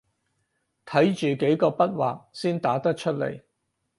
睇住幾個筆劃先打得出來